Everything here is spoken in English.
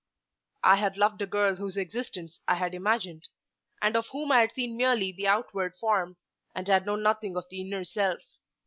"I had loved a girl whose existence I had imagined, and of whom I had seen merely the outward form, and had known nothing of the inner self.